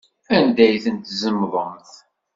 Anda ay ten-tzemḍemt?